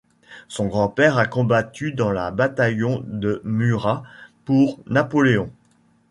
Son grand-père a combattu dans la bataillon de Murat pour Napoléon.